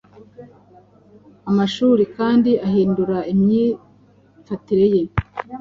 Amashuri kandi ahindura imyifatire ye.